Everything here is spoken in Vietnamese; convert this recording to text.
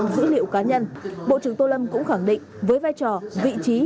dữ liệu cá nhân bộ trưởng tô lâm cũng khẳng định với vai trò vị trí